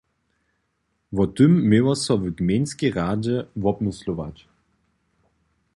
Wo tym měło so w gmejnskej radźe rozmyslować.